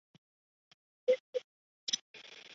家麻雀的原产地在欧洲及亚洲的大部份区域。